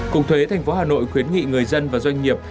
cục thuế thành phố hà nội khuyến nghị người dân và doanh nghiệp